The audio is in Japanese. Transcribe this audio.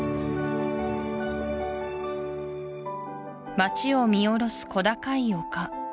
街を見下ろす小高い丘